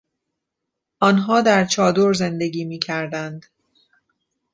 آنها در چادر زندگی میکردند.